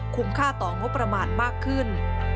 ค่าต่องบประมาณมากขึ้น